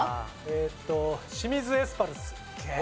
えっと清水エスパルス。